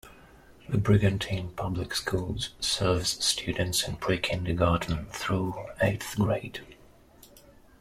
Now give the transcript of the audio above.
The Brigantine Public Schools serves students in pre-Kindergarten through eighth grade.